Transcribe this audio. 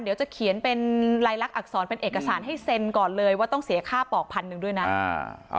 เดี๋ยวจะเขียนเป็นลายลักษรเป็นเอกสารให้เซ็นก่อนเลยว่าต้องเสียค่าปอกพันหนึ่งด้วยนะ